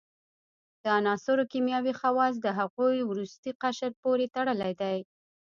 د عناصرو کیمیاوي خواص د هغوي وروستي قشر پورې تړلی دی.